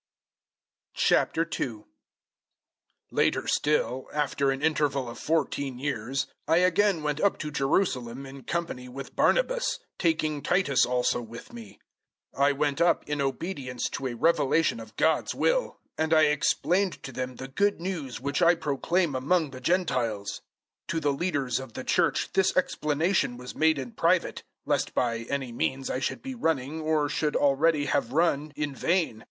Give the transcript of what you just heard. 002:001 Later still, after an interval of fourteen years, I again went up to Jerusalem in company with Barnabas, taking Titus also with me. 002:002 I went up in obedience to a revelation of God's will; and I explained to them the Good News which I proclaim among the Gentiles. To the leaders of the Church this explanation was made in private, lest by any means I should be running, or should already have run, in vain.